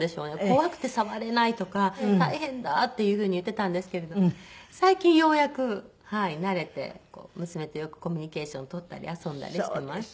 「怖くて触れない」とか「大変だ」っていう風に言ってたんですけれども最近ようやく慣れて娘とよくコミュニケーション取ったり遊んだりしてます。